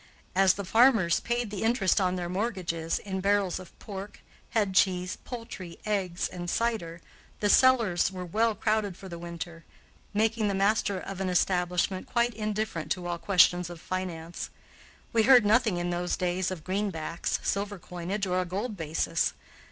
As the farmers paid the interest on their mortgages in barrels of pork, headcheese, poultry, eggs, and cider, the cellars were well crowded for the winter, making the master of an establishment quite indifferent to all questions of finance. We heard nothing in those days of greenbacks, silver coinage, or a gold basis.